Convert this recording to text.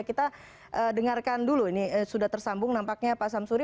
kita dengarkan dulu ini sudah tersambung nampaknya pak samsuri